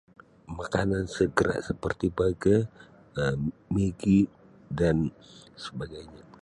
"Makanan segera seperti ""burger"" Um migi dan sebagainya."